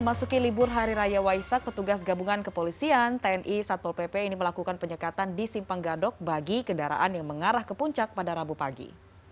memasuki libur hari raya waisak petugas gabungan kepolisian tni satpol pp ini melakukan penyekatan di simpang gadok bagi kendaraan yang mengarah ke puncak pada rabu pagi